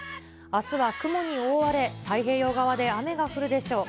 あすは雲に覆われ、太平洋側で雨が降るでしょう。